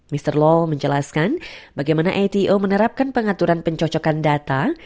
mr law menjelaskan bagaimana ato menerapkan pengaturan pencocokan data